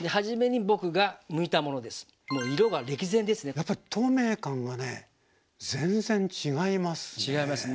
やっぱり透明感がね全然違いますね。